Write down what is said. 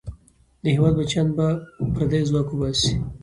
د هېواد بچیان به پردی ځواک وباسي.